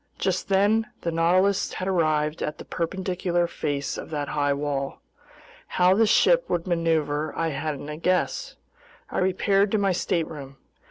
Just then the Nautilus had arrived at the perpendicular face of that high wall. How the ship would maneuver I hadn't a guess. I repaired to my stateroom.